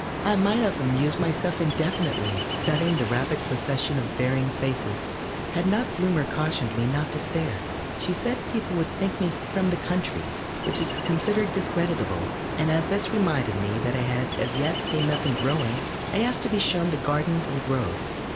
I might have amused myself indefinitely, studying the rapid succession of varying faces, had not Bloomer cautioned me not to stare. She said people would think me from the country, which is considered discreditable, and as this reminded me that I had as yet seen nothing growing, I asked to be shown the gardens and groves.